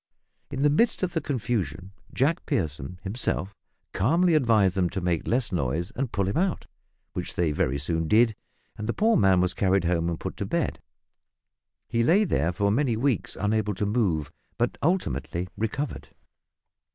In the midst of the confusion Jack Pierson himself calmly advised them to make less noise and pull him out, which they very soon did, and the poor man was carried home and put to bed. He lay there for many weeks unable to move, but ultimately recovered.